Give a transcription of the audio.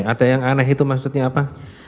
ada yang aneh itu maksudnya apa